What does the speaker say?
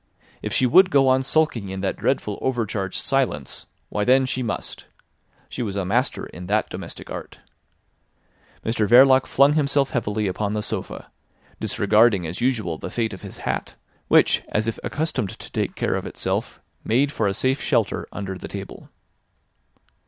If she would go on sulking in that dreadful overcharged silence—why then she must. She was a master in that domestic art. Mr Verloc flung himself heavily upon the sofa, disregarding as usual the fate of his hat, which, as if accustomed to take care of itself, made for a safe shelter under the table.